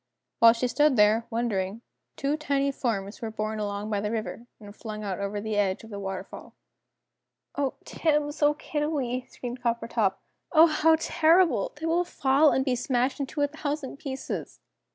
While she stood there, wondering, two tiny forms were borne along by the river, and flung out over the edge of the waterfall. "Oh, Tibbs! Oh, Kiddiwee!" screamed Coppertop. "Oh, how terrible! They will fall and be smashed into a thousand pieces!"